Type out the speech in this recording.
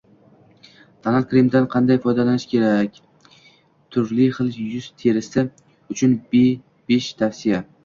Tonal kremdan qanday foydalanish kerak? Turli xil yuz terisi uchunbeshtavsiya